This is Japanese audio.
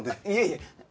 いえいえ！